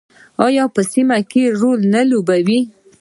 آیا په سیمه کې رول نه لوبوي؟